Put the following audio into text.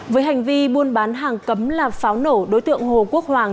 với hành vi buôn bán hàng cấm là pháo nổ đối tượng hồ quốc hoàng